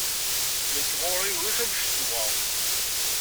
Nekk ɣur-i ulac am ccetwa.